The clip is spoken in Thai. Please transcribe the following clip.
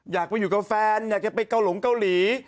อยากไปอยู่กับแฟนอยากจะไปเกาหลงเกาหลี